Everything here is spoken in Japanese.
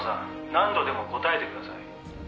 何度でも答えてください」